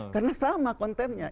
karena sama kontennya